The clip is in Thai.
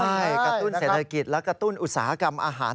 ใช่กระตุ้นเศรษฐกิจและกระตุ้นอุตสาหกรรมอาหาร